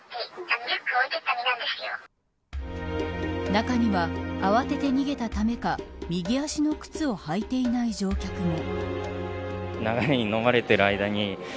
中には、慌てて逃げたためか右足の靴を履いていない乗客も。